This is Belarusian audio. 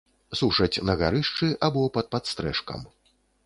Сушаць на гарышчы або пад падстрэшкам.